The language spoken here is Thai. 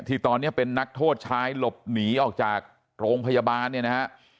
ที่ตอนนี้เป็นนักโทษชายหลบหนีออกจากโรงพยาบาลเนี่ยนะฮะ